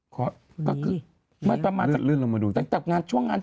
ขอมันถามหารู้แล้วมาดูจันด์ตักงานช่วงงานใด